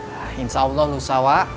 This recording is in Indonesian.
nah insya allah nusawa